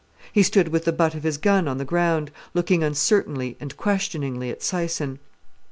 He stood with the butt of his gun on the ground, looking uncertainly and questioningly at Syson.